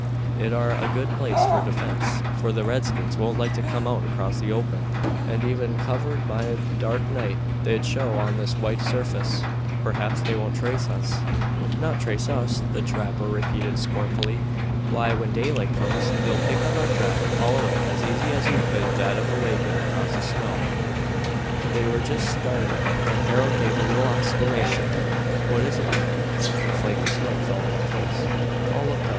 It are a good place for defense, for the redskins won't like to come out across the open, and, even covered by a dark night, they'd show on this white surface." "Perhaps they won't trace us." "Not trace us!" the trapper repeated scornfully. "Why, when daylight comes, they'll pick up our track and follow it as easy as you could that of a wagon across the snow." They were just starting when Harold gave a little exclamation. "What is it, lad?" "A flake of snow fell on my face." All looked up.